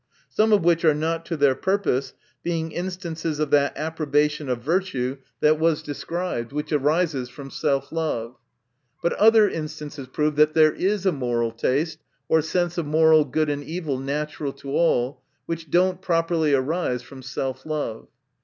Some of which are not to their purpose, being in stances of that approbation of virtue, that was described, which arises from self love. But other instances prove that there is a moral taste, or sense ot moral crood and evil, natural to all, which does not properly arise from self love.